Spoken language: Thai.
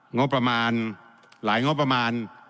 งบประมาณหลายงบประมาณ